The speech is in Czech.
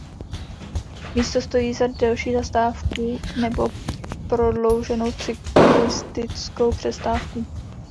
Místo stojí za delší zastávku nebo prodlouženou cyklistickou přestávku.